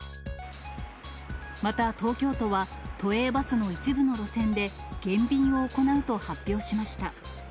また東京都は、都営バスの一部の路線で、減便を行うと発表しました。